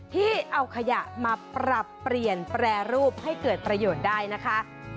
ที่เอาขยะมาปรับเปลี่ยนแปรรูปให้เกิดประโยชน์ได้นะคะ